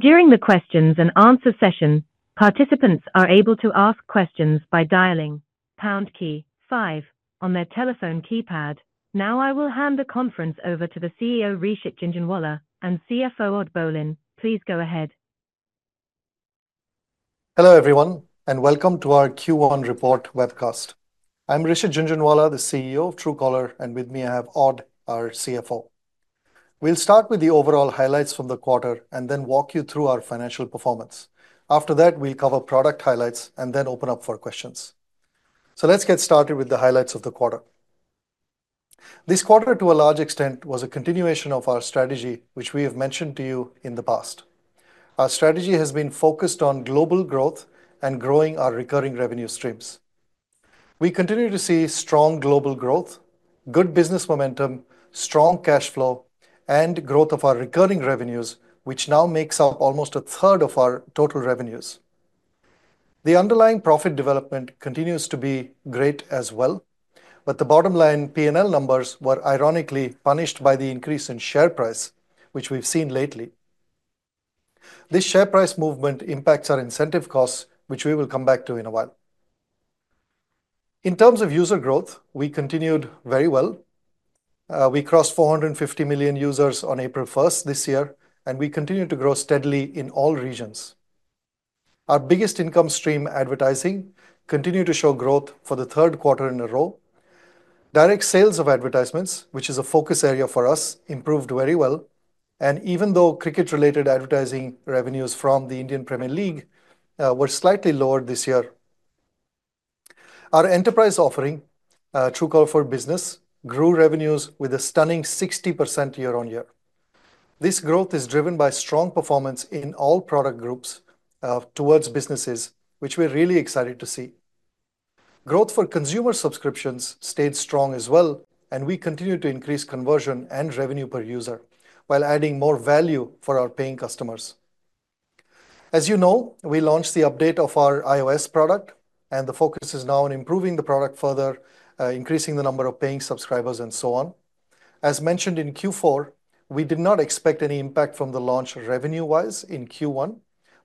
During the Q&A session, participants are able to ask questions by dialing #5 on their telephone keypad. Now I will hand the conference over to the CEO, Rishit Jhunjhunwala, and CFO, Odd Bolin. Please go ahead. Hello everyone, and welcome to our Q1 Report webcast. I'm Rishit Jhunjhunwala, the CEO of Truecaller, and with me I have Odd, our CFO. We'll start with the overall highlights from the quarter and then walk you through our financial performance. After that, we'll cover product highlights and then open up for questions. Let's get started with the highlights of the quarter. This quarter, to a large extent, was a continuation of our strategy, which we have mentioned to you in the past. Our strategy has been focused on global growth and growing our recurring revenue streams. We continue to see strong global growth, good business momentum, strong cash flow, and growth of our recurring revenues, which now makes up almost a third of our total revenues. The underlying profit development continues to be great as well, but the bottom line P&L numbers were ironically punished by the increase in share price, which we've seen lately. This share price movement impacts our incentive costs, which we will come back to in a while. In terms of user growth, we continued very well. We crossed 450 million users on April 1st this year, and we continue to grow steadily in all regions. Our biggest income stream, advertising, continued to show growth for the third quarter in a row. Direct sales of advertisements, which is a focus area for us, improved very well, and even though cricket-related advertising revenues from the Indian Premier League were slightly lower this year. Our enterprise offering, Truecaller for Business, grew revenues with a stunning 60% year-on-year. This growth is driven by strong performance in all product groups towards businesses, which we're really excited to see. Growth for consumer subscriptions stayed strong as well, and we continue to increase conversion and revenue per user while adding more value for our paying customers. As you know, we launched the update of our iOS product, and the focus is now on improving the product further, increasing the number of paying subscribers, and so on. As mentioned in Q4, we did not expect any impact from the launch revenue-wise in Q1,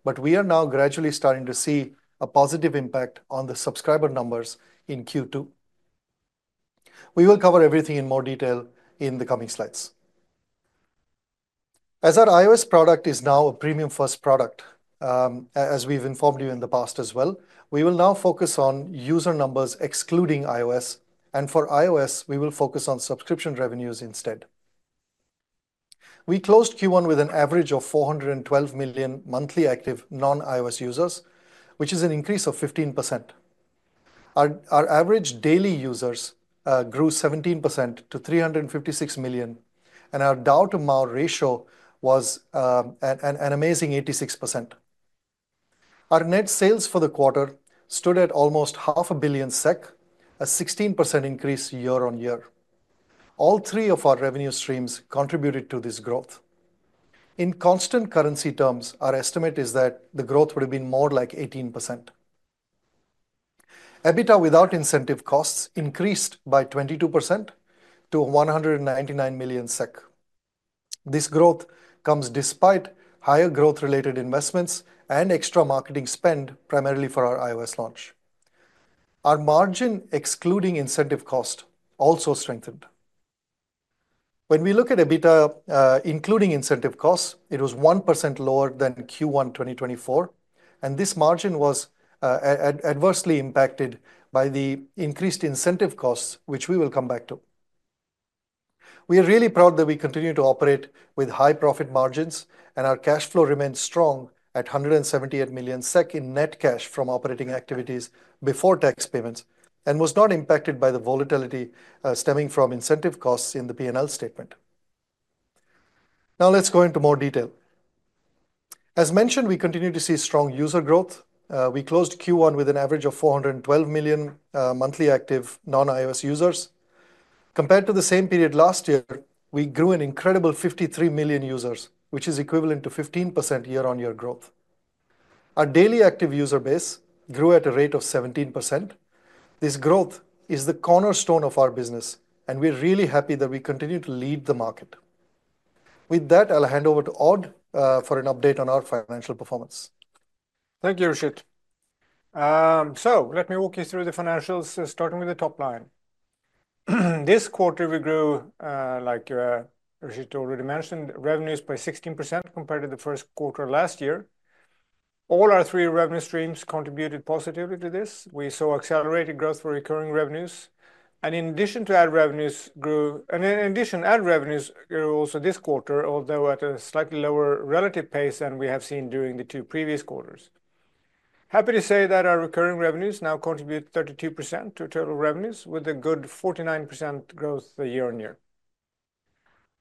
but we are now gradually starting to see a positive impact on the subscriber numbers in Q2. We will cover everything in more detail in the coming slides. As our iOS product is now a premium-first product, as we've informed you in the past as well, we will now focus on user numbers excluding iOS, and for iOS, we will focus on subscription revenues instead. We closed Q1 with an average of 412 million monthly active non-iOS users, which is an increase of 15%. Our average daily users grew 17% to 356 million, and our DAU to MAU ratio was an amazing 86%. Our net sales for the quarter stood at almost 500,000,000 SEK, a 16% increase year-on-year. All three of our revenue streams contributed to this growth. In constant currency terms, our estimate is that the growth would have been more like 18%. EBITDA without incentive costs increased by 22% to 199,000,000 SEK. This growth comes despite higher growth-related investments and extra marketing spend, primarily for our iOS launch. Our margin excluding incentive costs also strengthened. When we look at EBITDA including incentive costs, it was 1% lower than Q1 2024, and this margin was adversely impacted by the increased incentive costs, which we will come back to. We are really proud that we continue to operate with high profit margins, and our cash flow remains strong at 178 million SEK in net cash from operating activities before tax payments, and was not impacted by the volatility stemming from incentive costs in the P&L statement. Now let's go into more detail. As mentioned, we continue to see strong user growth. We closed Q1 with an average of 412 million monthly active non-iOS users. Compared to the same period last year, we grew an incredible 53 million users, which is equivalent to 15% year-on-year growth. Our daily active user base grew at a rate of 17%. This growth is the cornerstone of our business, and we're really happy that we continue to lead the market. With that, I'll hand over to Odd for an update on our financial performance. Thank you, Rishit. Let me walk you through the financials, starting with the top line. This quarter, we grew, like Rishit already mentioned, revenues by 16% compared to the first quarter last year. All our three revenue streams contributed positively to this. We saw accelerated growth for recurring revenues, and in addition, ad revenues grew also this quarter, although at a slightly lower relative pace than we have seen during the two previous quarters. Happy to say that our recurring revenues now contribute 32% to total revenues, with a good 49% growth year-on-year.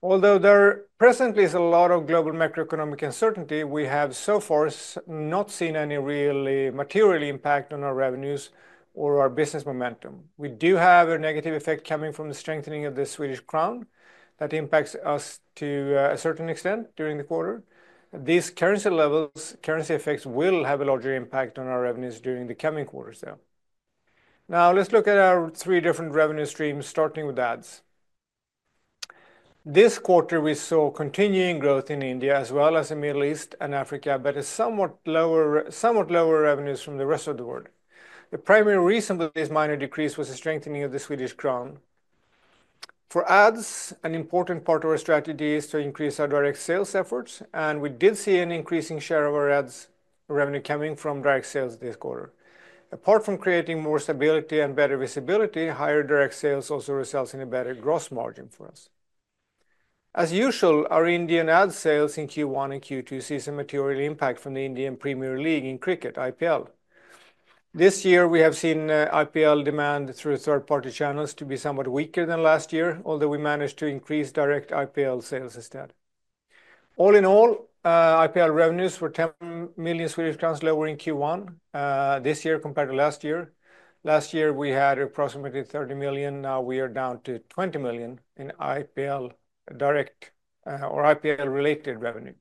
Although there presently is a lot of global macroeconomic uncertainty, we have so far not seen any really material impact on our revenues or our business momentum. We do have a negative effect coming from the strengthening of the Swedish krona that impacts us to a certain extent during the quarter. These currency levels, currency effects will have a larger impact on our revenues during the coming quarters there. Now let's look at our three different revenue streams, starting with ads. This quarter, we saw continuing growth in India as well as the Middle East and Africa, but somewhat lower revenues from the rest of the world. The primary reason for this minor decrease was the strengthening of the Swedish krona. For ads, an important part of our strategy is to increase our direct sales efforts, and we did see an increasing share of our ads revenue coming from direct sales this quarter. Apart from creating more stability and better visibility, higher direct sales also results in a better gross margin for us. As usual, our Indian ad sales in Q1 and Q2 see some material impact from the Indian Premier League in cricket, IPL. This year, we have seen IPL demand through third-party channels to be somewhat weaker than last year, although we managed to increase direct IPL sales instead. All in all, IPL revenues were 10 million Swedish crowns lower in Q1 this year compared to last year. Last year, we had approximately 30 million. Now we are down to 20 million in IPL direct or IPL-related revenue.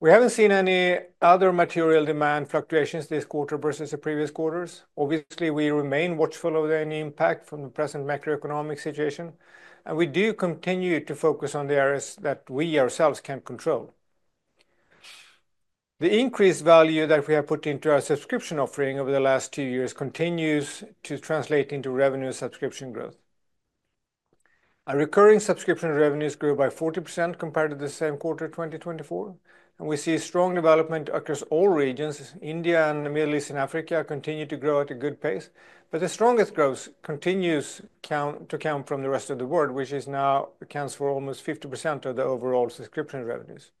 We haven't seen any other material demand fluctuations this quarter versus the previous quarters. Obviously, we remain watchful of any impact from the present macroeconomic situation, and we do continue to focus on the areas that we ourselves can control. The increased value that we have put into our subscription offering over the last two years continues to translate into revenue subscription growth. Our recurring subscription revenues grew by 40% compared to the same quarter of 2024, and we see strong development across all regions. India and the Middle East and Africa continue to grow at a good pace, but the strongest growth continues to come from the rest of the world, which now accounts for almost 50% of the overall subscription revenues.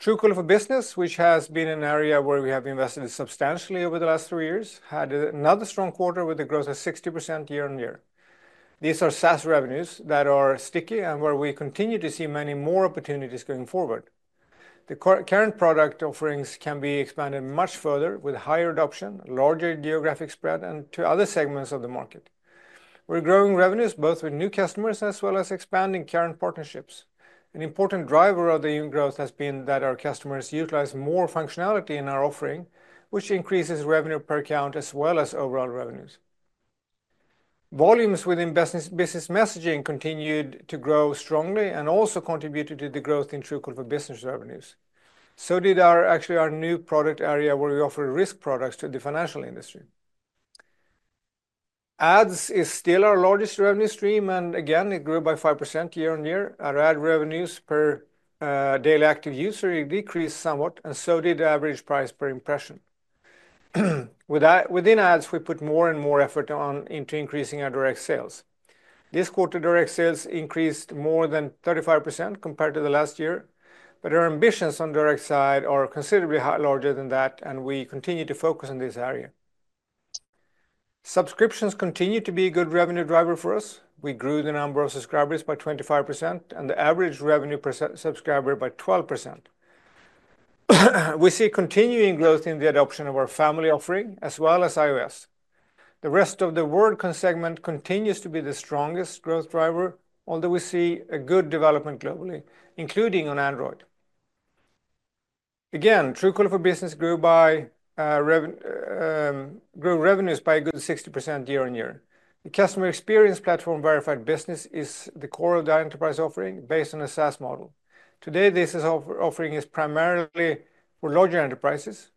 Truecaller for Business, which has been an area where we have invested substantially over the last three years, had another strong quarter with a growth of 60% year-on-year. These are SaaS revenues that are sticky and where we continue to see many more opportunities going forward. The current product offerings can be expanded much further with higher adoption, larger geographic spread, and to other segments of the market. We're growing revenues both with new customers as well as expanding current partnerships. An important driver of the growth has been that our customers utilize more functionality in our offering, which increases revenue per account as well as overall revenues. Volumes within business messaging continued to grow strongly and also contributed to the growth in Truecaller for Business revenues. So did actually our new product area where we offer risk products to the financial industry. Ads is still our largest revenue stream, and again, it grew by 5% year-on-year. Our ad revenues per daily active user decreased somewhat, and so did the average price per impression. Within ads, we put more and more effort into increasing our direct sales. This quarter, direct sales increased more than 35% compared to the last year, but our ambitions on the direct side are considerably larger than that, and we continue to focus on this area. Subscriptions continue to be a good revenue driver for us. We grew the number of subscribers by 25% and the average revenue per subscriber by 12%. We see continuing growth in the adoption of our family offering as well as iOS. The rest of the WorldCon segment continues to be the strongest growth driver, although we see a good development globally, including on Android. Again, Truecaller for Business grew revenues by a good 60% year-on-year. The customer experience platform, Verified Business, is the core of the enterprise offering based on a SaaS model. Today, this offering is primarily for larger enterprises.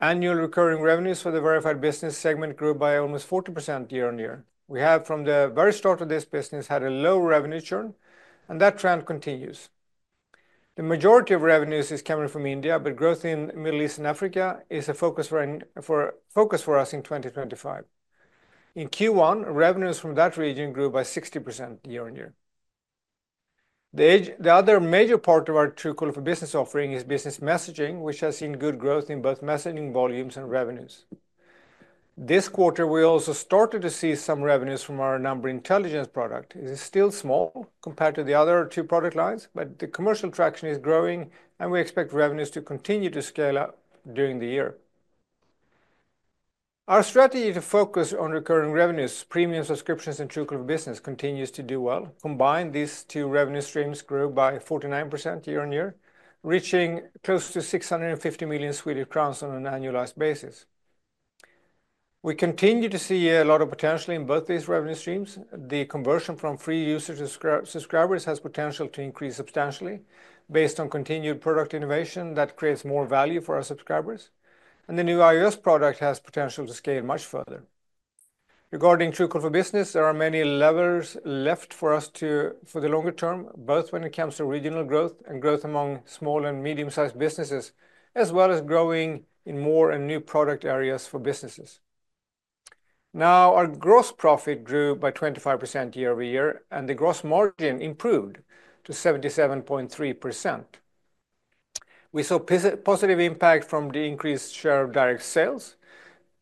Annual recurring revenues for the Verified Business segment grew by almost 40% year-on-year. We have, from the very start of this business, had a low revenue churn, and that trend continues. The majority of revenues is coming from India, but growth in the Middle East and Africa is a focus for us in 2025. In Q1, revenues from that region grew by 60% year-on-year. The other major part of our Truecaller for Business offering is business messaging, which has seen good growth in both messaging volumes and revenues. This quarter, we also started to see some revenues from our number intelligence product. It is still small compared to the other two product lines, but the commercial traction is growing, and we expect revenues to continue to scale up during the year. Our strategy to focus on recurring revenues, premium subscriptions in Truecaller for Business continues to do well. Combined, these two revenue streams grew by 49% year-on-year, reaching close to 650 million Swedish crowns on an annualized basis. We continue to see a lot of potential in both these revenue streams. The conversion from free users to subscribers has potential to increase substantially based on continued product innovation that creates more value for our subscribers, and the new iOS product has potential to scale much further. Regarding Truecaller for Business, there are many levers left for us to for the longer term, both when it comes to regional growth and growth among small and medium-sized businesses, as well as growing in more and new product areas for businesses. Now, our gross profit grew by 25% year-over-year, and the gross margin improved to 77.3%. We saw positive impact from the increased share of direct sales,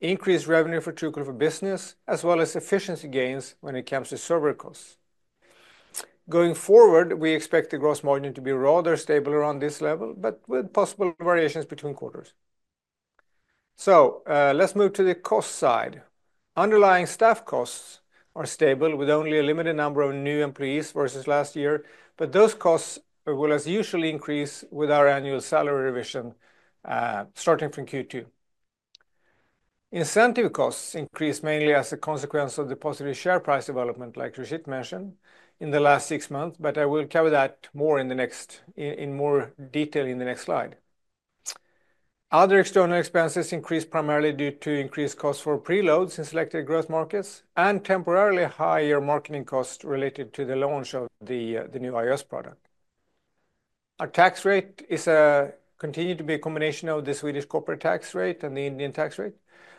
increased revenue for Truecaller for Business, as well as efficiency gains when it comes to server costs. Going forward, we expect the gross margin to be rather stable around this level, but with possible variations between quarters. Let's move to the cost side. Underlying staff costs are stable with only a limited number of new employees versus last year, but those costs will usually increase with our annual salary revision starting from Q2. Incentive costs increased mainly as a consequence of the positive share price development, like Rishit mentioned, in the last six months, but I will cover that more in the next, in more detail in the next slide. Other external expenses increased primarily due to increased costs for preloads in selected growth markets and temporarily higher marketing costs related to the launch of the new iOS product. Our tax rate continued to be a combination of the Swedish corporate tax rate and the Indian tax rate.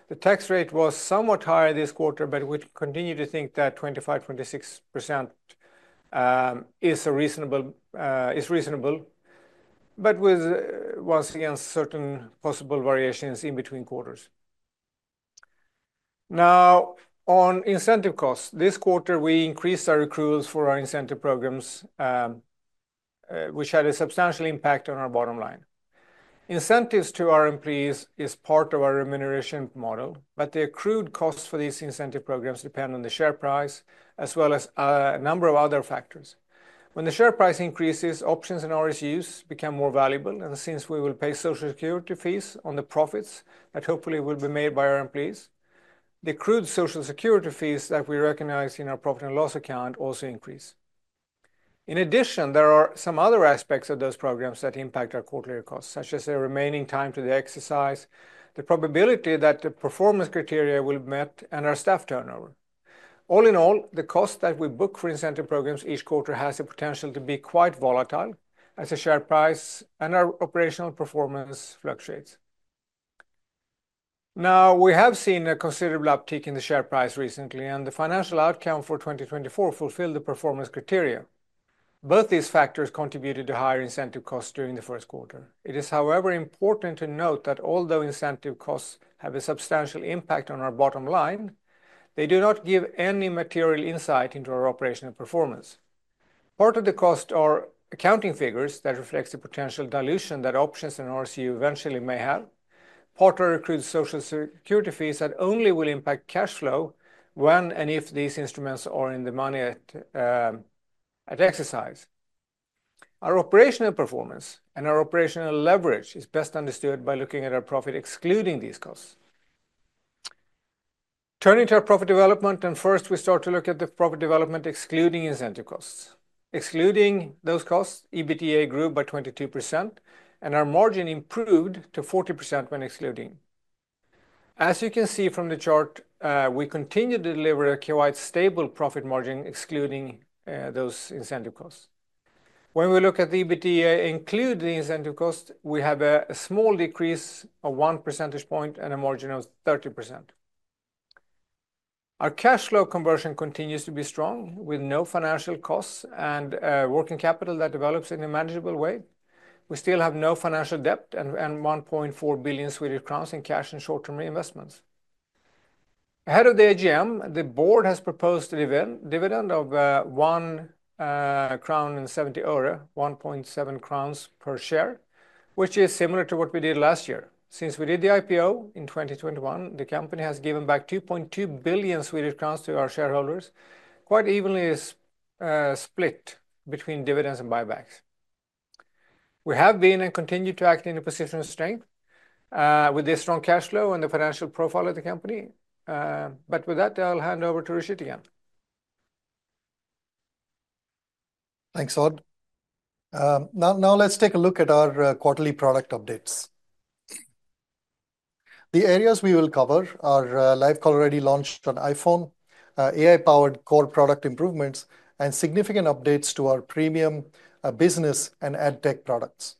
The tax rate was somewhat higher this quarter, but we continue to think that 25-26% is reasonable, but with, once again, certain possible variations in between quarters. Now, on incentive costs, this quarter, we increased our accruals for our incentive programs, which had a substantial impact on our bottom line. Incentives to our employees is part of our remuneration model, but the accrued costs for these incentive programs depend on the share price as well as a number of other factors. When the share price increases, options and RSUs become more valuable, and since we will pay social security fees on the profits that hopefully will be made by our employees, the accrued social security fees that we recognize in our profit and loss account also increase. In addition, there are some other aspects of those programs that impact our quarterly costs, such as the remaining time to the exercise, the probability that the performance criteria will be met, and our staff turnover. All in all, the cost that we book for incentive programs each quarter has the potential to be quite volatile as the share price and our operational performance fluctuates. Now, we have seen a considerable uptick in the share price recently, and the financial outcome for 2024 fulfilled the performance criteria. Both these factors contributed to higher incentive costs during the first quarter. It is, however, important to note that although incentive costs have a substantial impact on our bottom line, they do not give any material insight into our operational performance. Part of the costs are accounting figures that reflect the potential dilution that options and RSU eventually may have. Part of our accrued social security fees that only will impact cash flow when and if these instruments are in the money at exercise. Our operational performance and our operational leverage is best understood by looking at our profit excluding these costs. Turning to our profit development, and first we start to look at the profit development excluding incentive costs. Excluding those costs, EBITDA grew by 22%, and our margin improved to 40% when excluding. As you can see from the chart, we continue to deliver a quite stable profit margin excluding those incentive costs. When we look at the EBITDA included in incentive costs, we have a small decrease of one percentage point and a margin of 30%. Our cash flow conversion continues to be strong with no financial costs and working capital that develops in a manageable way. We still have no financial debt and 1.4 billion Swedish crowns in cash and short-term reinvestments. Ahead of the AGM, the board has proposed a dividend of SEK 1.70 per share, which is similar to what we did last year. Since we did the IPO in 2021, the company has given back 2.2 billion Swedish crowns to our shareholders, quite evenly split between dividends and buybacks. We have been and continue to act in a position of strength with this strong cash flow and the financial profile of the company. With that, I'll hand over to Rishit again. Thanks, Odd. Now let's take a look at our quarterly product updates. The areas we will cover are LiveCaller ready launched on iPhone, AI-powered core product improvements, and significant updates to our premium business and ad tech products.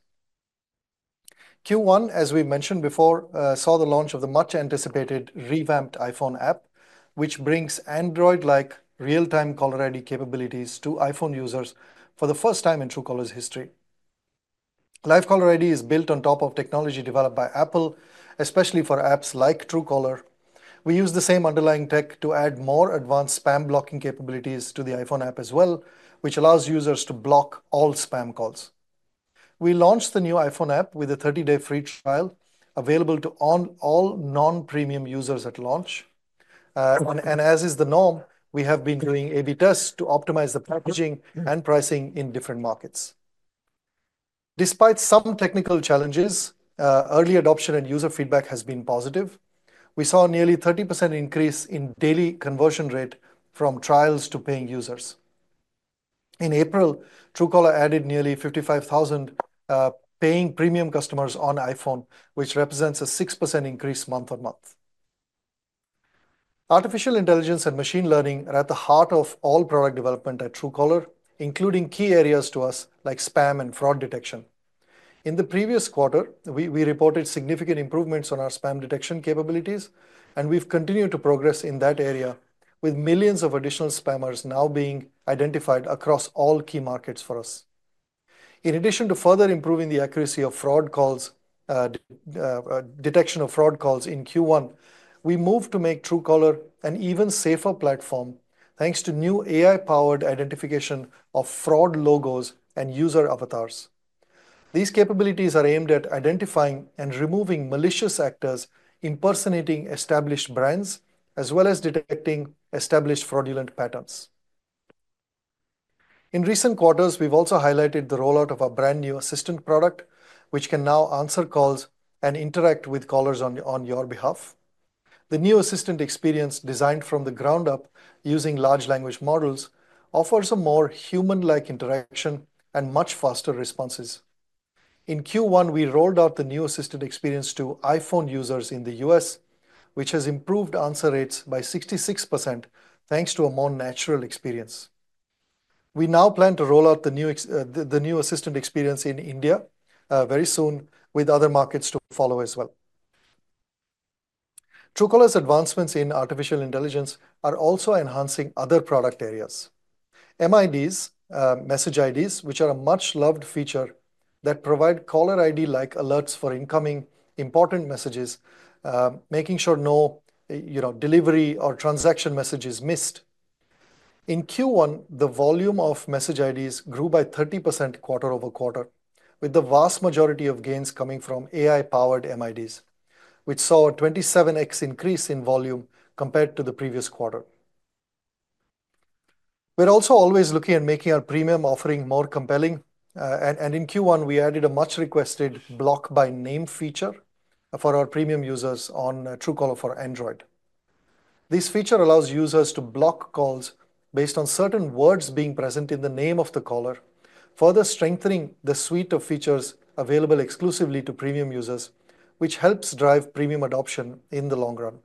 Q1, as we mentioned before, saw the launch of the much-anticipated revamped iPhone app, which brings Android-like real-time caller ID capabilities to iPhone users for the first time in Truecaller's history. LiveCaller ID is built on top of technology developed by Apple, especially for apps like Truecaller. We use the same underlying tech to add more advanced spam blocking capabilities to the iPhone app as well, which allows users to block all spam calls. We launched the new iPhone app with a 30-day free trial available to all non-premium users at launch. As is the norm, we have been doing A/B tests to optimize the packaging and pricing in different markets. Despite some technical challenges, early adoption and user feedback has been positive. We saw a nearly 30% increase in daily conversion rate from trials to paying users. In April, Truecaller added nearly 55,000 paying premium customers on iPhone, which represents a 6% increase month-on-month. Artificial intelligence and machine learning are at the heart of all product development at Truecaller, including key areas to us like spam and fraud detection. In the previous quarter, we reported significant improvements on our spam detection capabilities, and we've continued to progress in that area with millions of additional spammers now being identified across all key markets for us. In addition to further improving the accuracy of fraud calls, detection of fraud calls in Q1, we moved to make Truecaller an even safer platform thanks to new AI-powered identification of fraud logos and user avatars. These capabilities are aimed at identifying and removing malicious actors impersonating established brands as well as detecting established fraudulent patterns. In recent quarters, we've also highlighted the rollout of a brand new assistant product, which can now answer calls and interact with callers on your behalf. The new assistant experience, designed from the ground up using large language models, offers a more human-like interaction and much faster responses. In Q1, we rolled out the new Assistant experience to iPhone users in the U.S., which has improved answer rates by 66% thanks to a more natural experience. We now plan to roll out the new Assistant experience in India very soon with other markets to follow as well. Truecaller's advancements in artificial intelligence are also enhancing other product areas. MIDs, Message IDs, which are a much-loved feature that provide caller ID-like alerts for incoming important messages, making sure no delivery or transaction message is missed. In Q1, the volume of Message IDs grew by 30% quarter over quarter, with the vast majority of gains coming from AI-powered MIDs, which saw a 27x increase in volume compared to the previous quarter. We're also always looking at making our premium offering more compelling, and in Q1, we added a much-requested Block-by-Name feature for our premium users on Truecaller for Android. This feature allows users to block calls based on certain words being present in the name of the caller, further strengthening the suite of features available exclusively to premium users, which helps drive premium adoption in the long run.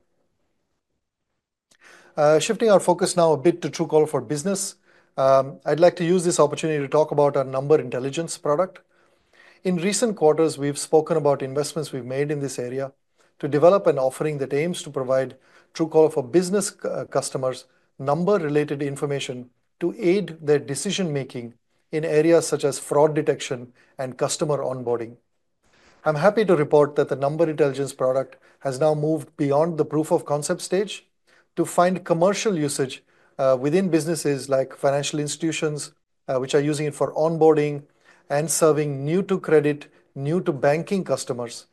Shifting our focus now a bit to Truecaller for Business, I'd like to use this opportunity to talk about our Number Intelligence product. In recent quarters, we've spoken about investments we've made in this area to develop an offering that aims to provide Truecaller for Business customers number-related information to aid their decision-making in areas such as fraud detection and customer onboarding. I'm happy to report that the Number Intelligence product has now moved beyond the proof of concept stage to find commercial usage within businesses like financial institutions, which are using it for onboarding and serving new-to-credit, new-to-banking customers,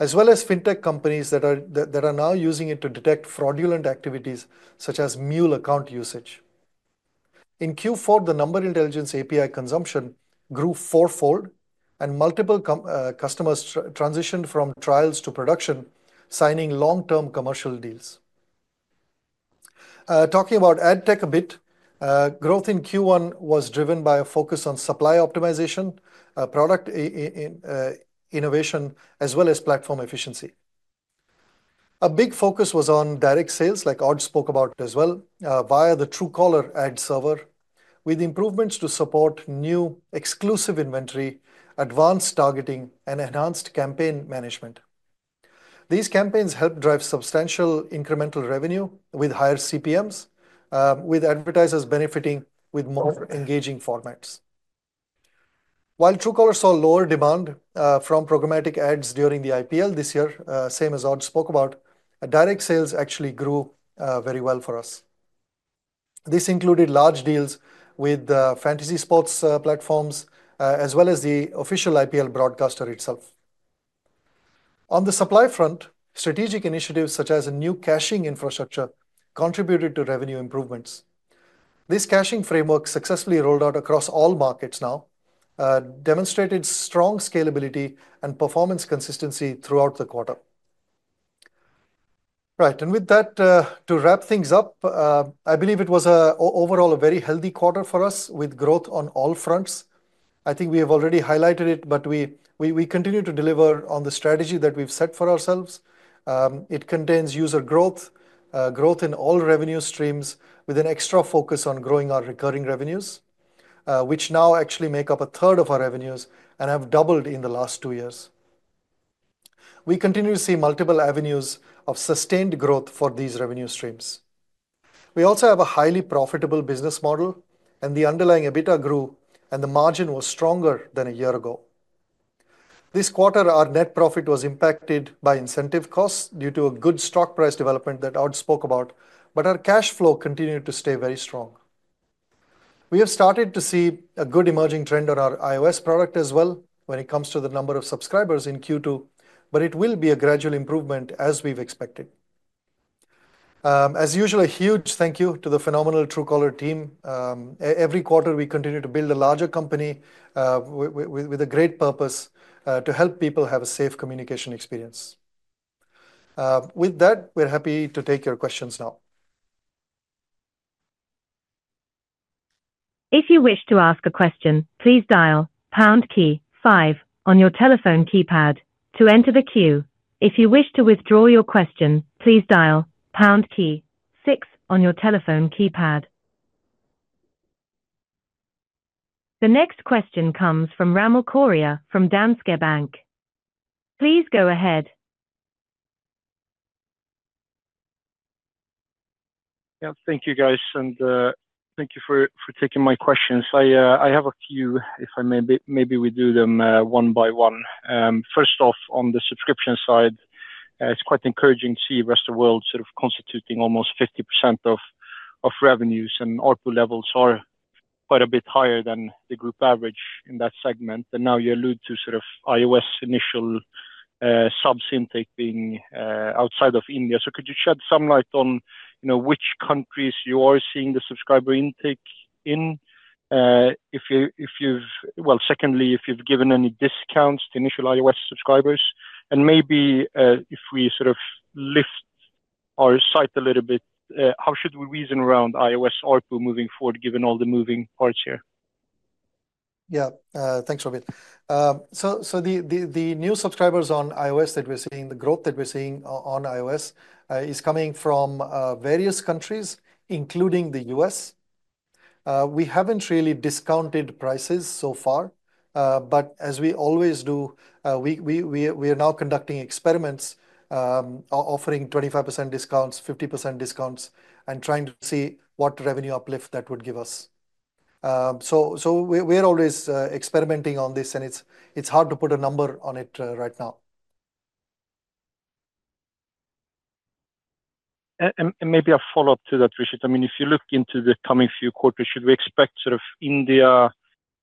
as well as fintech companies that are now using it to detect fraudulent activities such as mule account usage. In Q4, the Number Intelligence API consumption grew fourfold, and multiple customers transitioned from trials to production, signing long-term commercial deals. Talking about ad tech a bit, growth in Q1 was driven by a focus on supply optimization, product innovation, as well as platform efficiency. A big focus was on direct sales, like Odd spoke about as well, via the Truecaller Ad server, with improvements to support new exclusive inventory, advanced targeting, and enhanced campaign management. These campaigns helped drive substantial incremental revenue with higher CPMs, with advertisers benefiting with more engaging formats. While Truecaller saw lower demand from programmatic ads during the IPL this year, same as Odd spoke about, direct sales actually grew very well for us. This included large deals with fantasy sports platforms as well as the official IPL broadcaster itself. On the supply front, strategic initiatives such as a new caching infrastructure contributed to revenue improvements. This caching framework, successfully rolled out across all markets now, demonstrated strong scalability and performance consistency throughout the quarter. Right, and with that, to wrap things up, I believe it was overall a very healthy quarter for us with growth on all fronts. I think we have already highlighted it, but we continue to deliver on the strategy that we've set for ourselves. It contains user growth, growth in all revenue streams with an extra focus on growing our recurring revenues, which now actually make up a third of our revenues and have doubled in the last two years. We continue to see multiple avenues of sustained growth for these revenue streams. We also have a highly profitable business model, and the underlying EBITDA grew, and the margin was stronger than a year ago. This quarter, our net profit was impacted by incentive costs due to a good stock price development that Odd Bolin spoke about, but our cash flow continued to stay very strong. We have started to see a good emerging trend on our iOS product as well when it comes to the number of subscribers in Q2, but it will be a gradual improvement as we've expected. As usual, a huge thank you to the phenomenal Truecaller team. Every quarter, we continue to build a larger company with a great purpose to help people have a safe communication experience. With that, we're happy to take your questions now. If you wish to ask a question, please dial # five on your telephone keypad to enter the queue. If you wish to withdraw your question, please dial # six on your telephone keypad. The next question comes from Ramil Koria from Danske Bank. Please go ahead. Yeah, thank you, guys, and thank you for taking my questions. I have a few, if I may, maybe we do them one by one. First off, on the subscription side, it's quite encouraging to see the rest of the world sort of constituting almost 50% of revenues, and ORPU levels are quite a bit higher than the group average in that segment. You allude to sort of iOS initial subs intake being outside of India. Could you shed some light on which countries you are seeing the subscriber intake in? If you have, secondly, if you have given any discounts to initial iOS subscribers, and maybe if we sort of lift our sight a little bit, how should we reason around iOS ORPU moving forward given all the moving parts here? Yeah, thanks, Odd. The new subscribers on iOS that we are seeing, the growth that we are seeing on iOS is coming from various countries, including the U.S. We have not really discounted prices so far, but as we always do, we are now conducting experiments, offering 25% discounts, 50% discounts, and trying to see what revenue uplift that would give us. We are always experimenting on this, and it is hard to put a number on it right now. Maybe a follow-up to that, Rishit. I mean, if you look into the coming few quarters, should we expect sort of India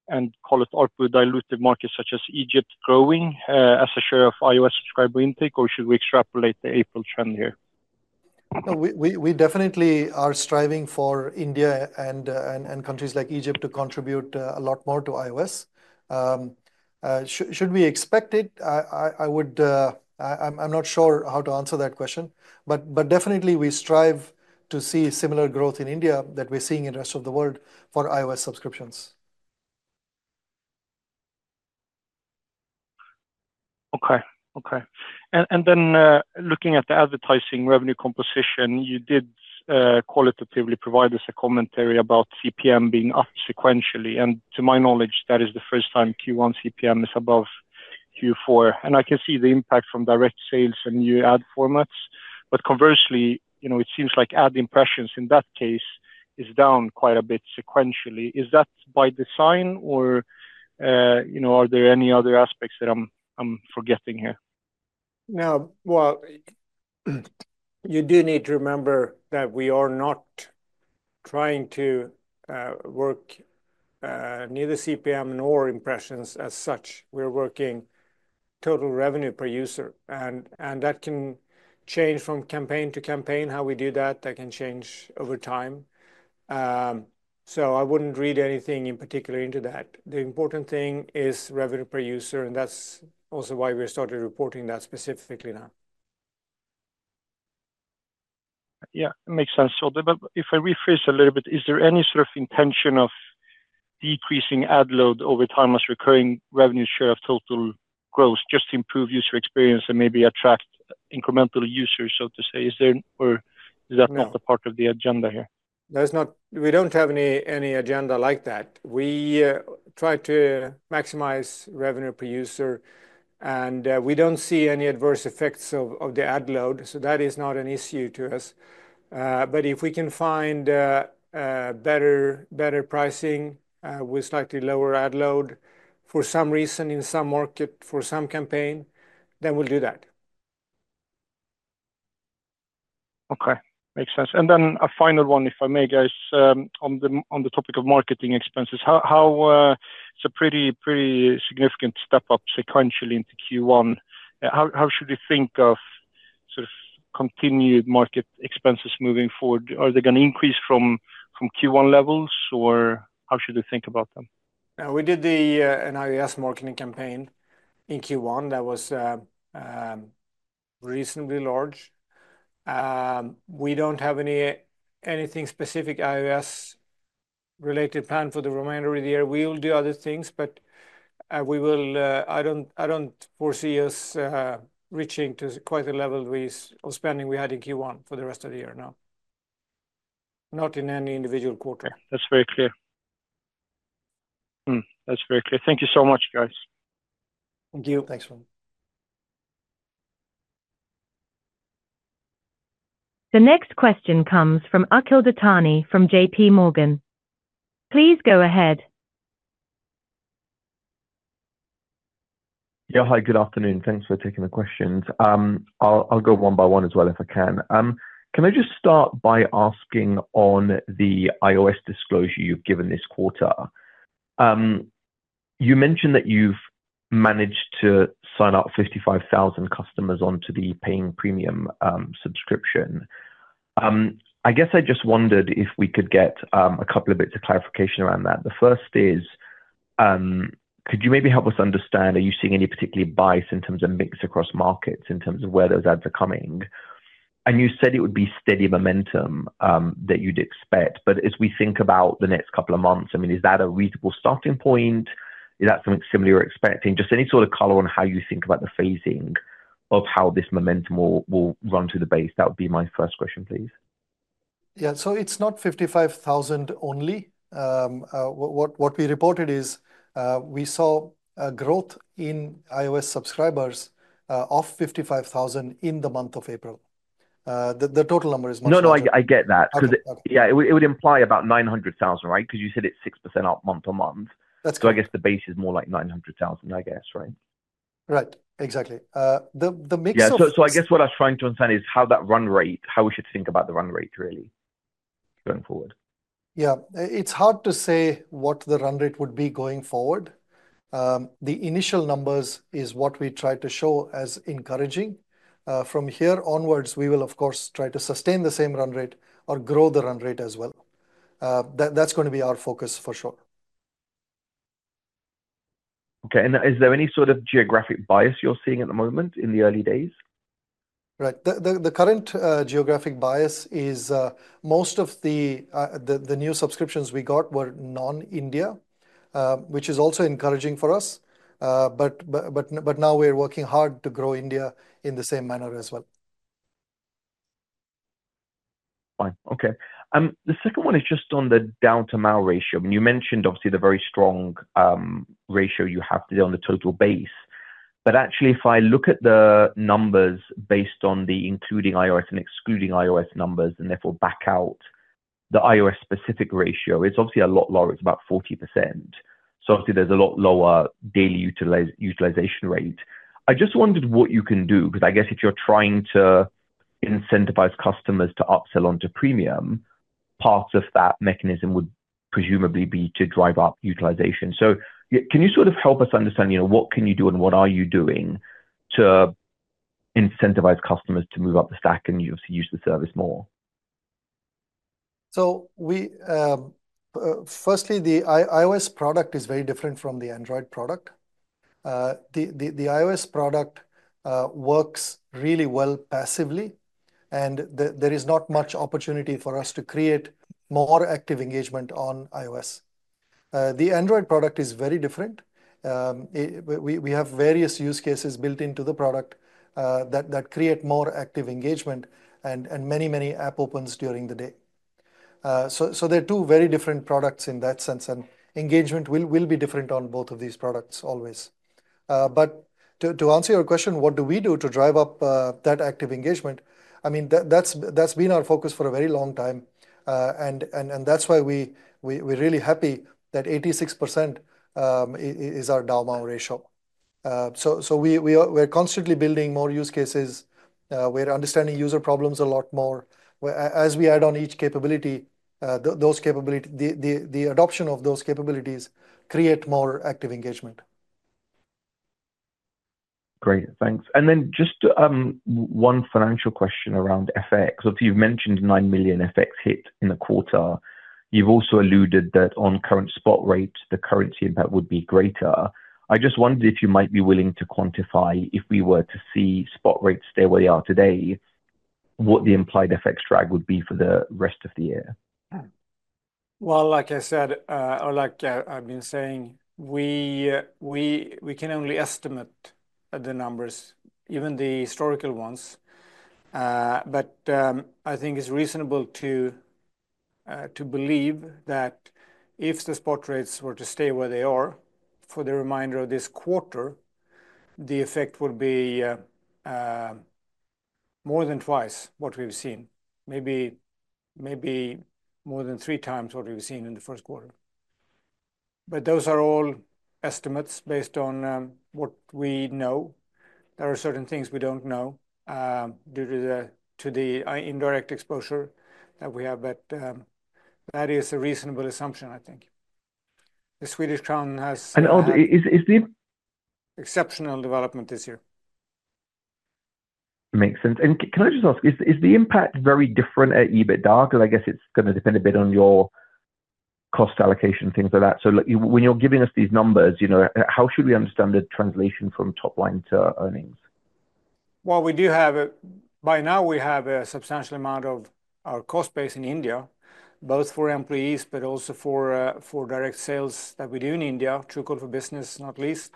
and, call it, ORPU diluted markets such as Egypt growing as a share of iOS subscriber intake, or should we extrapolate the April trend here? We definitely are striving for India and countries like Egypt to contribute a lot more to iOS. Should we expect it? I'm not sure how to answer that question, but definitely we strive to see similar growth in India that we're seeing in the rest of the world for iOS subscriptions. Okay, okay. Looking at the advertising revenue composition, you did qualitatively provide us a commentary about CPM being up sequentially. To my knowledge, that is the first time Q1 CPM is above Q4. I can see the impact from direct sales and new ad formats. Conversely, it seems like ad impressions in that case is down quite a bit sequentially. Is that by design, or are there any other aspects that I'm forgetting here? You do need to remember that we are not trying to work neither CPM nor impressions as such. We're working total revenue per user, and that can change from campaign to campaign. How we do that, that can change over time. I wouldn't read anything in particular into that. The important thing is revenue per user, and that's also why we've started reporting that specifically now. Yeah, it makes sense. If I rephrase a little bit, is there any sort of intention of decreasing ad load over time as recurring revenue share of total growth just to improve user experience and maybe attract incremental users, so to say? Is there or is that not a part of the agenda here? No, it's not. We don't have any agenda like that. We try to maximize revenue per user, and we don't see any adverse effects of the ad load, so that is not an issue to us. If we can find better pricing with slightly lower ad load for some reason in some market for some campaign, then we'll do that. Okay, makes sense. A final one, if I may, guys, on the topic of marketing expenses. It's a pretty significant step up sequentially into Q1. How should you think of sort of continued market expenses moving forward? Are they going to increase from Q1 levels, or how should we think about them? We did an iOS marketing campaign in Q1 that was reasonably large. We do not have anything specific iOS-related planned for the remainder of the year. We will do other things, but I do not foresee us reaching quite the level of spending we had in Q1 for the rest of the year now. Not in any individual quarter. That is very clear. That is very clear. Thank you so much, guys. Thank you. Thanks, man. The next question comes from Akhil Dattani from J.P. Morgan. Please go ahead. Yeah, hi, good afternoon. Thanks for taking the questions. I will go one by one as well if I can. Can I just start by asking on the iOS disclosure you have given this quarter? You mentioned that you have managed to sign up 55,000 customers onto the paying premium subscription. I guess I just wondered if we could get a couple of bits of clarification around that. The first is, could you maybe help us understand, are you seeing any particular bias in terms of mix across markets in terms of where those ads are coming? You said it would be steady momentum that you'd expect. As we think about the next couple of months, I mean, is that a reasonable starting point? Is that something similar you're expecting? Just any sort of color on how you think about the phasing of how this momentum will run to the base? That would be my first question, please. Yeah, so it's not 55,000 only. What we reported is we saw growth in iOS subscribers of 55,000 in the month of April. The total number is much. No, no, I get that. Yeah, it would imply about 900,000, right? Because you said it's 6% up month on month. I guess the base is more like 900,000, I guess, right? Right, exactly. The mix of. Yeah, I guess what I was trying to understand is how that run rate, how we should think about the run rate really going forward. Yeah, it's hard to say what the run rate would be going forward. The initial numbers are what we try to show as encouraging. From here onwards, we will, of course, try to sustain the same run rate or grow the run rate as well. That's going to be our focus for sure. Okay, is there any sort of geographic bias you're seeing at the moment in the early days? Right, the current geographic bias is most of the new subscriptions we got were non-India, which is also encouraging for us. Now we're working hard to grow India in the same manner as well. Fine. Okay, the second one is just on the DAU to MAU ratio. I mean, you mentioned obviously the very strong ratio you have today on the total base. Actually, if I look at the numbers based on the including iOS and excluding iOS numbers and therefore back out the iOS-specific ratio, it's obviously a lot lower. It's about 40%. Obviously, there's a lot lower daily utilization rate. I just wondered what you can do because I guess if you're trying to incentivize customers to upsell onto premium, parts of that mechanism would presumably be to drive up utilization. Can you sort of help us understand what can you do and what are you doing to incentivize customers to move up the stack and use the service more? Firstly, the iOS product is very different from the Android product. The iOS product works really well passively, and there is not much opportunity for us to create more active engagement on iOS. The Android product is very different. We have various use cases built into the product that create more active engagement and many, many app opens during the day. There are two very different products in that sense, and engagement will be different on both of these products always. To answer your question, what do we do to drive up that active engagement? I mean, that's been our focus for a very long time, and that's why we're really happy that 86% is our DAU to MAU ratio. We're constantly building more use cases. We're understanding user problems a lot more. As we add on each capability, the adoption of those capabilities creates more active engagement. Great, thanks. One financial question around FX. You've mentioned 9 million FX hit in the quarter. You've also alluded that on current spot rates, the currency impact would be greater. I just wondered if you might be willing to quantify, if we were to see spot rates stay where they are today, what the implied FX drag would be for the rest of the year. Like I said, or like I've been saying, we can only estimate the numbers, even the historical ones. I think it's reasonable to believe that if the spot rates were to stay where they are for the remainder of this quarter, the effect would be more than twice what we've seen, maybe more than three times what we've seen in the first quarter. Those are all estimates based on what we know. There are certain things we do not know due to the indirect exposure that we have, but that is a reasonable assumption, I think. The Swedish krona has, and is, the exceptional development this year. Makes sense. Can I just ask, is the impact very different at EBITDA? I guess it is going to depend a bit on your cost allocation, things like that. When you are giving us these numbers, how should we understand the translation from top line to earnings? We do have it. By now, we have a substantial amount of our cost base in India, both for employees, but also for direct sales that we do in India, Truecaller for Business, not least,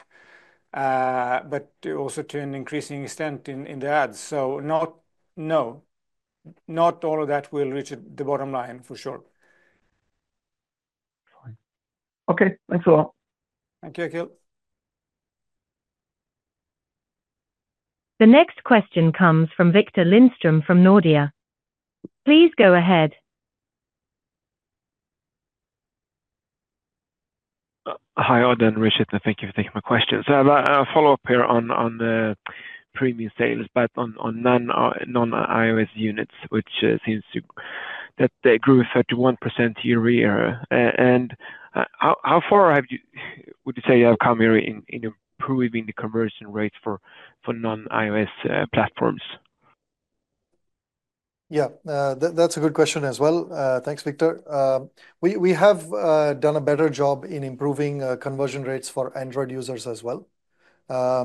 but also to an increasing extent in the ads. No, not all of that will reach the bottom line for sure. Okay, thanks a lot. Thank you, Akhil. The next question comes from Victor Lindström from Nordea. Please go ahead. Hi, Odd and Rishit. Thank you for taking my question. I have a follow-up here on premium sales, but on non-iOS units, which seems that they grew 31% year over year. How far would you say you have come here in improving the conversion rates for non-iOS platforms? Yeah, that's a good question as well. Thanks, Victorr. We have done a better job in improving conversion rates for Android users as well. I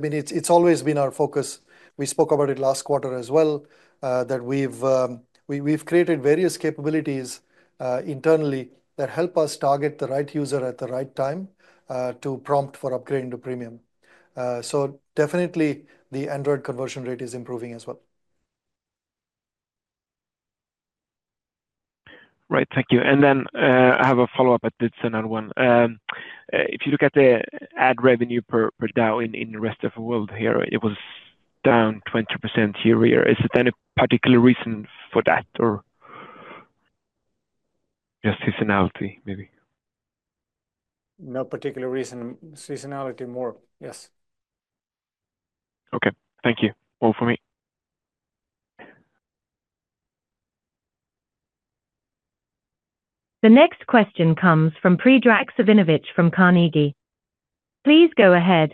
mean, it's always been our focus. We spoke about it last quarter as well, that we've created various capabilities internally that help us target the right user at the right time to prompt for upgrading to premium. Definitely, the Android conversion rate is improving as well. Right, thank you. I have a follow-up at this, another one. If you look at the ad revenue per DAU in the rest of the world here, it was down 20% year over year. Is there any particular reason for that or just seasonality maybe? No particular reason. Seasonality more, yes. Okay, thank you. All for me. The next question comes from Predrag Savinovich from Carnegie. Please go ahead.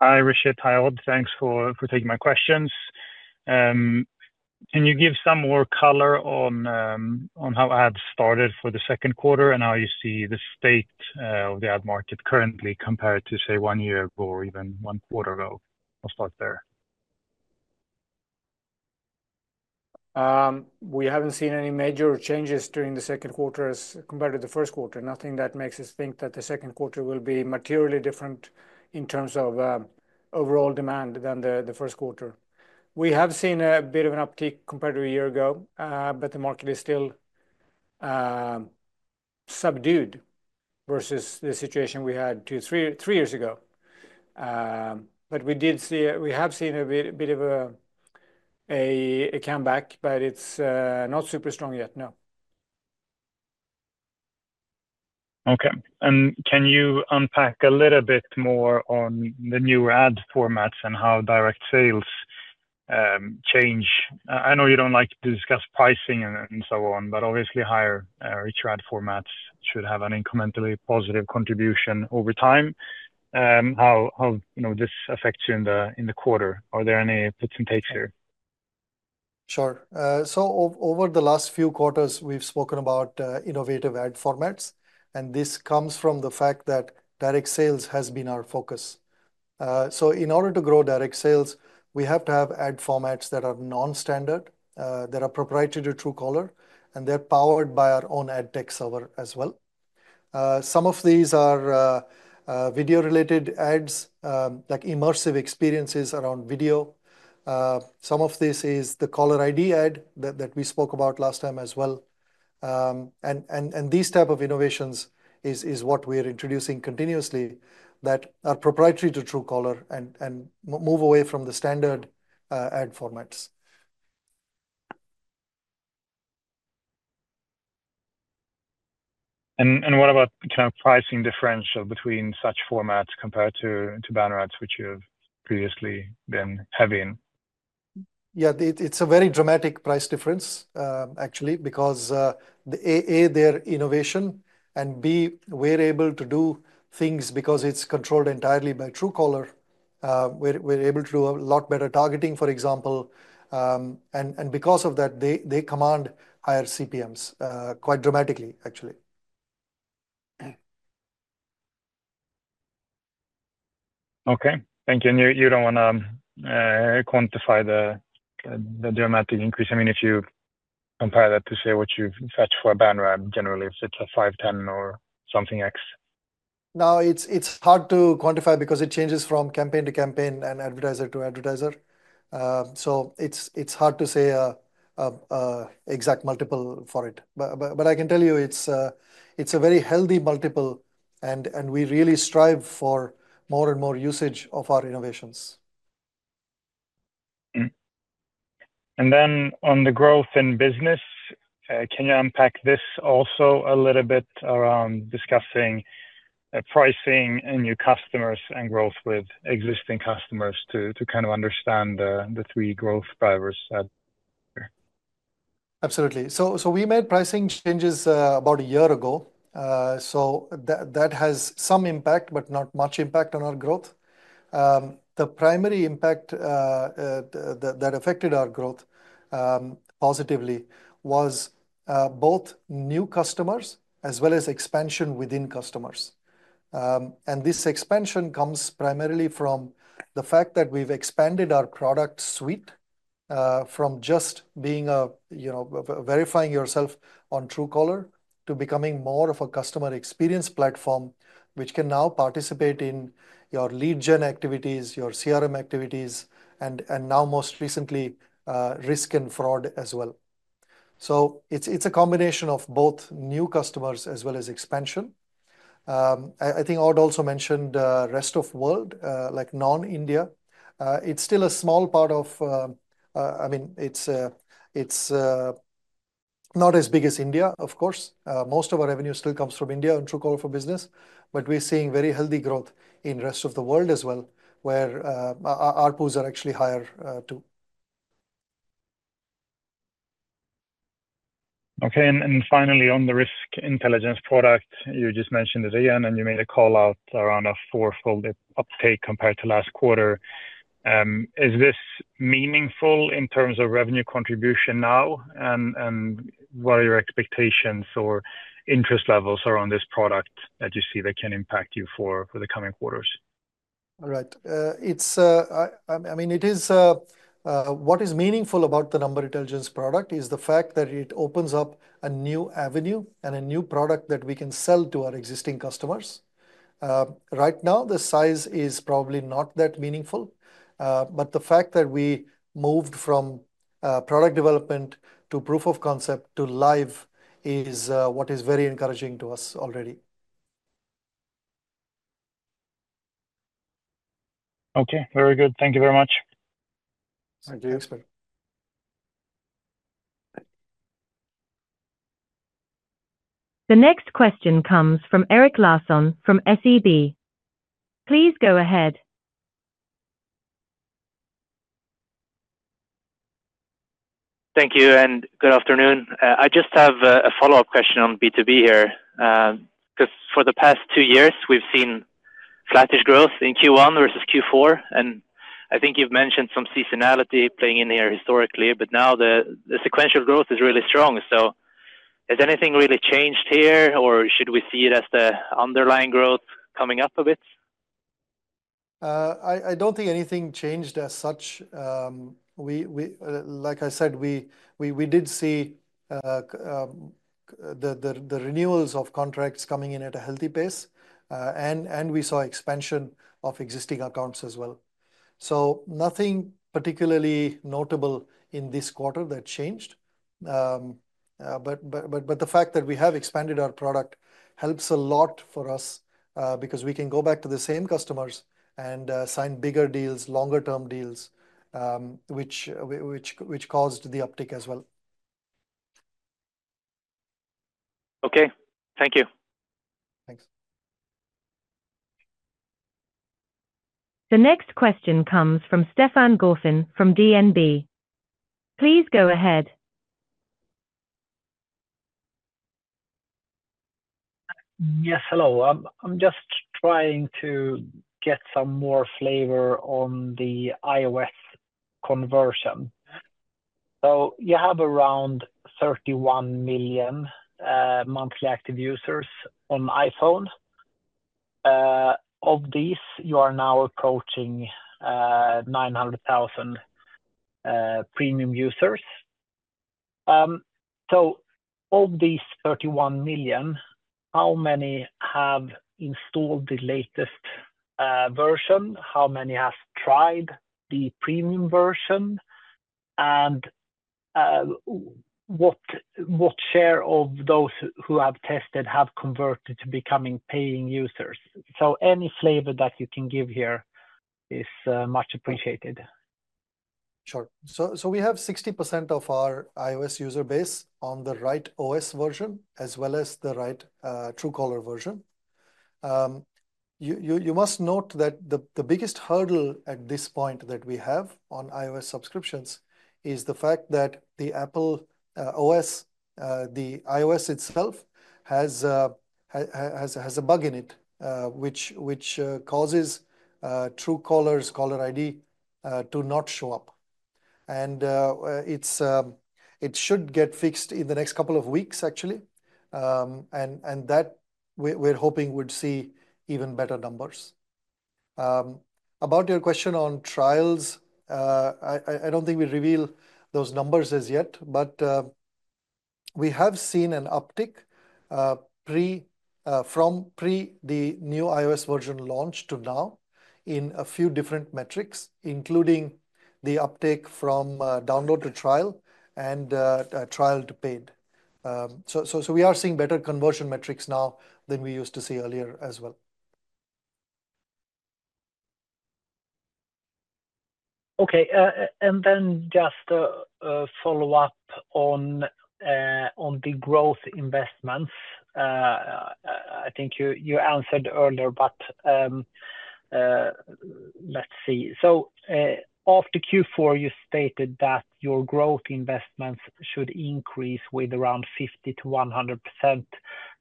Hi, Rishit. Hi, all. Thanks for taking my questions. Can you give some more color on how ads started for the second quarter and how you see the state of the ad market currently compared to, say, one year ago or even one quarter ago? I'll start there. We haven't seen any major changes during the second quarter as compared to the first quarter. Nothing that makes us think that the second quarter will be materially different in terms of overall demand than the first quarter. We have seen a bit of an uptick compared to a year ago, but the market is still subdued versus the situation we had two to three years ago. We have seen a bit of a comeback, but it's not super strong yet, no. Okay, can you unpack a little bit more on the new ad formats and how direct sales change? I know you don't like to discuss pricing and so on, but obviously, higher reach ad formats should have an incrementally positive contribution over time. How does this affect you in the quarter? Are there any puts and takes here? Sure. Over the last few quarters, we've spoken about innovative ad formats, and this comes from the fact that direct sales has been our focus. In order to grow direct sales, we have to have ad formats that are non-standard, that are proprietary to Truecaller, and they're powered by our own ad tech server as well. Some of these are video related ads, like immersive experiences around video. Some of this is the Caller ID ad that we spoke about last time as well. These types of innovations are what we are introducing continuously that are proprietary to Truecaller and move away from the standard ad formats. What about the kind of pricing differential between such formats compared to banner ads, which you have previously been having? Yeah, it's a very dramatic price difference, actually, because A, they're innovation, and B, we're able to do things because it's controlled entirely by Truecaller. We're able to do a lot better targeting, for example. Because of that, they command higher CPMs quite dramatically, actually. Okay, thank you. You do not want to quantify the dramatic increase. I mean, if you compare that to, say, what you have fetched for a banner ad, generally, if it is a 5, 10, or something X. Now, it is hard to quantify because it changes from campaign to campaign and advertiser to advertiser. It is hard to say an exact multiple for it. I can tell you it is a very healthy multiple, and we really strive for more and more usage of our innovations. On the growth in business, can you unpack this also a little bit around discussing pricing and new customers and growth with existing customers to kind of understand the three growth drivers? Absolutely. We made pricing changes about a year ago. That has some impact, but not much impact on our growth. The primary impact that affected our growth positively was both new customers as well as expansion within customers. This expansion comes primarily from the fact that we have expanded our product suite from just verifying yourself on Truecaller to becoming more of a customer experience platform, which can now participate in your lead gen activities, your CRM activities, and now most recently, risk and fraud as well. It is a combination of both new customers as well as expansion. I think Odd also mentioned rest of world, like non-India. It is still a small part of, I mean, it is not as big as India, of course. Most of our revenue still comes from India on Truecaller for Business, but we are seeing very healthy growth in rest of the world as well, where our pools are actually higher too. Okay, and finally, on the risk intelligence product, you just mentioned it again, and you made a call out around a four-fold uptake compared to last quarter. Is this meaningful in terms of revenue contribution now, and what are your expectations or interest levels around this product that you see that can impact you for the coming quarters? All right. I mean, what is meaningful about the number intelligence product is the fact that it opens up a new avenue and a new product that we can sell to our existing customers. Right now, the size is probably not that meaningful, but the fact that we moved from product development to proof of concept to live is what is very encouraging to us already. Okay, very good. Thank you very much. Thank you. The next question comes from Eric Lasson from SEB. Please go ahead. Thank you, and good afternoon. I just have a follow-up question on B2B here because for the past two years, we've seen flattish growth in Q1 versus Q4, and I think you've mentioned some seasonality playing in here historically, but now the sequential growth is really strong. Has anything really changed here, or should we see it as the underlying growth coming up a bit? I don't think anything changed as such. Like I said, we did see the renewals of contracts coming in at a healthy pace, and we saw expansion of existing accounts as well. Nothing particularly notable in this quarter that changed. The fact that we have expanded our product helps a lot for us because we can go back to the same customers and sign bigger deals, longer-term deals, which caused the uptake as well. Okay, thank you. Thanks. The next question comes from Stefan Gorfin from DNB. The next question comes from Stefan Gorfin from DNB. Please go ahead. Yes, hello. I'm just trying to get some more flavor on the iOS conversion. You have around 31 million monthly active users on iPhone. Of these, you are now approaching 900,000 premium users. Of these 31 million, how many have installed the latest version? How many have tried the premium version? What share of those who have tested have converted to becoming paying users? Any flavor that you can give here is much appreciated. Sure. We have 60% of our iOS user base on the right OS version as well as the right Truecaller version. You must note that the biggest hurdle at this point that we have on iOS subscriptions is the fact that the iOS itself has a bug in it, which causes Truecaller's Caller ID to not show up. It should get fixed in the next couple of weeks, actually. We are hoping we'd see even better numbers. About your question on trials, I don't think we reveal those numbers as yet, but we have seen an uptick from pre the new iOS version launch to now in a few different metrics, including the uptake from download to trial and trial to paid. We are seeing better conversion metrics now than we used to see earlier as well. Okay, and then just a follow-up on the growth investments. I think you answered earlier, but let's see. Off the Q4, you stated that your growth investments should increase with around 50%-100%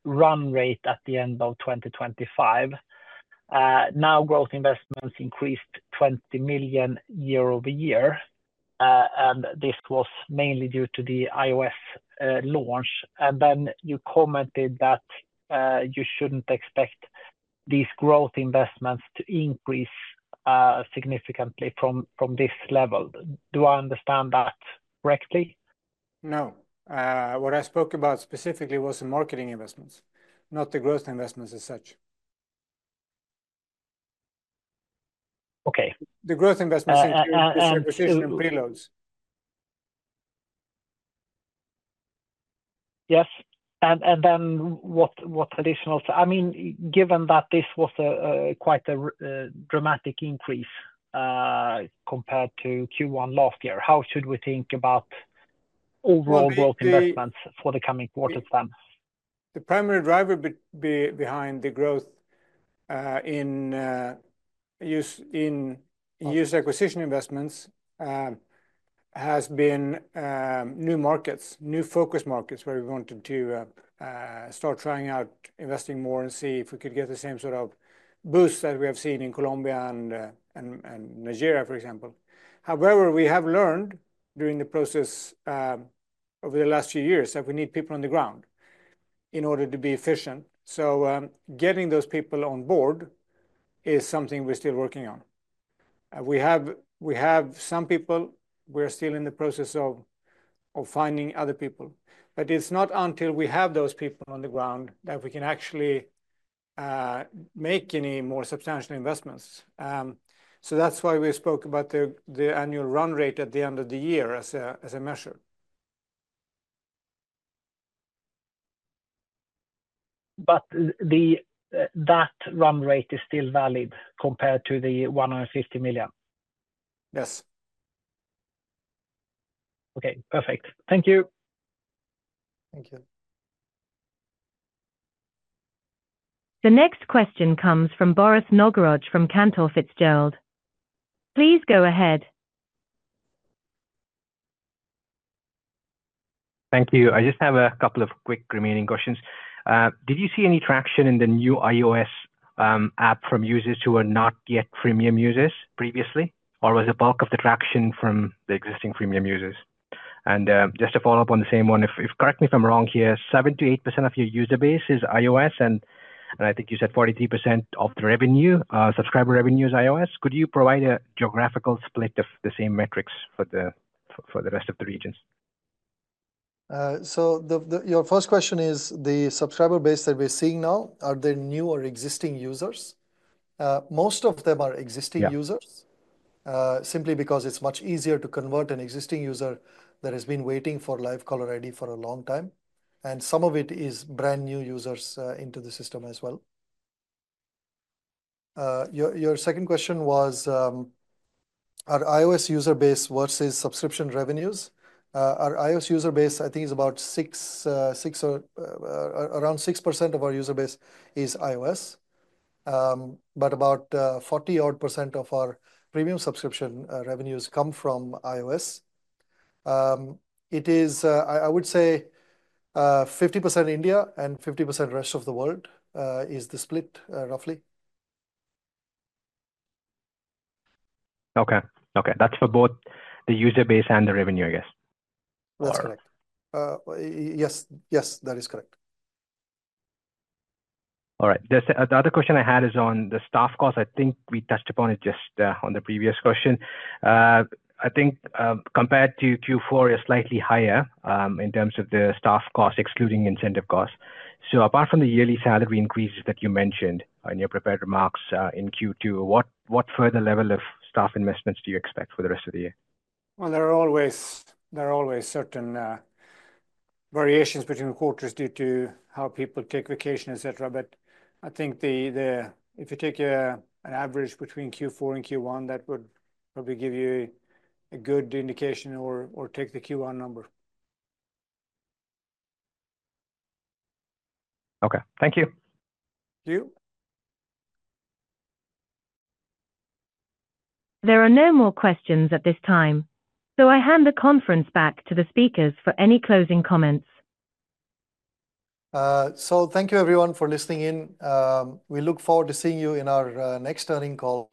run rate at the end of 2025. Now growth investments increased 20 million year over year, and this was mainly due to the iOS launch. You commented that you should not expect these growth investments to increase significantly from this level. Do I understand that correctly? No. What I spoke about specifically was the marketing investments, not the growth investments as such. Okay. The growth investments into the transition and preloads. Yes. What additional, I mean, given that this was quite a dramatic increase compared to Q1 last year, how should we think about overall growth investments for the coming quarter then? The primary driver behind the growth in user acquisition investments has been new markets, new focus markets where we wanted to start trying out, investing more and see if we could get the same sort of boost that we have seen in Colombia and Nigeria, for example. However, we have learned during the process over the last few years that we need people on the ground in order to be efficient. Getting those people on board is something we're still working on. We have some people; we're still in the process of finding other people. It is not until we have those people on the ground that we can actually make any more substantial investments. That is why we spoke about the annual run rate at the end of the year as a measure. That run rate is still valid compared to the 150 million? Yes. Okay, perfect. Thank you. Thank you. The next question comes from Boris Nogaraj from Cantor Fitzgerald. Please go ahead. Thank you. I just have a couple of quick remaining questions. Did you see any traction in the new iOS app from users who were not yet premium users previously, or was it bulk of the traction from the existing premium users? Just to follow up on the same one, if correct me if I'm wrong here, 7-8% of your user base is iOS, and I think you said 43% of the revenue, subscriber revenue is iOS. Could you provide a geographical split of the same metrics for the rest of the regions? Your first question is the subscriber base that we're seeing now, are there new or existing users? Most of them are existing users, simply because it's much easier to convert an existing user that has been waiting for LiveCaller ID for a long time. Some of it is brand new users into the system as well. Your second question was our iOS user base versus subscription revenues. Our iOS user base, I think, is about around 6% of our user base is iOS, but about 40-odd % of our premium subscription revenues come from iOS. It is, I would say, 50% India and 50% rest of the world is the split, roughly. Okay. Okay. That's for both the user base and the revenue, I guess. That's correct. Yes. Yes, that is correct. All right. The other question I had is on the staff cost. I think we touched upon it just on the previous question. I think compared to Q4, you're slightly higher in terms of the staff cost, excluding incentive costs. So apart from the yearly salary increases that you mentioned in your prepared remarks in Q2, what further level of staff investments do you expect for the rest of the year? There are always certain variations between quarters due to how people take vacation, etc. I think if you take an average between Q4 and Q1, that would probably give you a good indication or take the Q1 number. Okay. Thank you. There are no more questions at this time, so I hand the conference back to the speakers for any closing comments. Thank you, everyone, for listening in. We look forward to seeing you in our next earning call.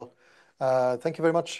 Thank you very much.